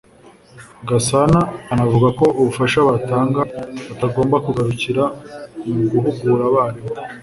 Gasana anavuga ko ubufasha batanga butagomba kugarukira mu guhugura abarimu